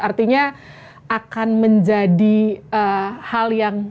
artinya akan menjadi hal yang